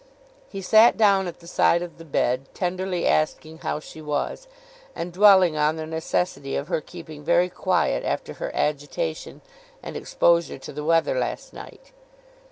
He sat down at the side of the bed, tenderly asking how she was, and dwelling on the necessity of her keeping very quiet after her agitation and exposure to the weather last night.